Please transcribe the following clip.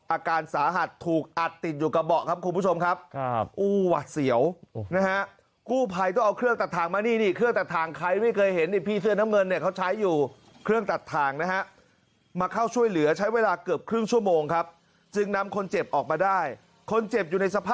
อาการสาหัสถูกอัดติดอยู่กระบะครับคุณผู้ชมครับ